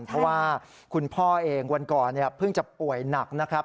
เพราะว่าคุณพ่อเองวันก่อนเพิ่งจะป่วยหนักนะครับ